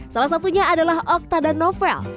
salah satunya adalah okta dan novel